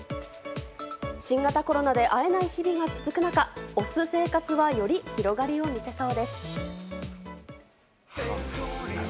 新型コロナで会えない日々が続く中推す生活はより広がりを見せそうです。